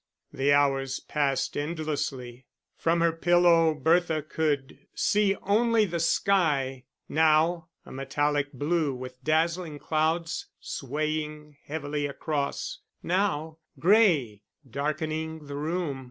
The hours passed endlessly. From her pillow Bertha could see only the sky, now a metallic blue with dazzling clouds swaying heavily across, now gray, darkening the room.